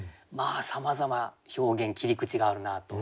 さまざま表現切り口があるなと。